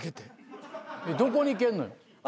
どこに蹴んのよ。